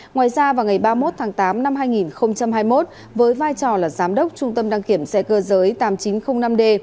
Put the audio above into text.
ngoài ra vào ngày ba mươi một tháng tám năm hai nghìn hai mươi một với vai trò là giám đốc trung tâm đăng kiểm xe cơ giới tám nghìn chín trăm linh năm d